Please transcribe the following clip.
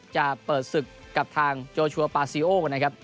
จะเปิดศึกกับทางโจชัวปาซิโอนะครับ